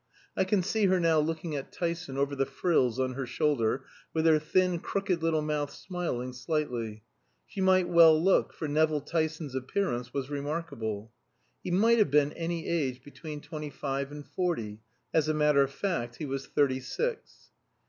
I can see her now looking at Tyson over the frills on her shoulder, with her thin crooked little mouth smiling slightly. She might well look, for Nevill Tyson's appearance was remarkable. He might have been any age between twenty five and forty; as a matter of fact he was thirty six.